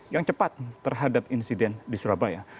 yang cepat terhadap insiden di surabaya